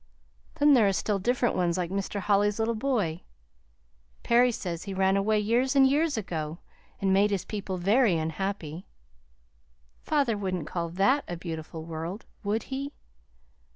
Then there are still different ones like Mr. Holly's little boy. Perry says he ran away years and years ago, and made his people very unhappy. Father wouldn't call that a beautiful world, would he?